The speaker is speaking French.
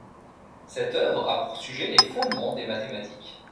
Cette œuvre a pour sujet les fondements des mathématiques.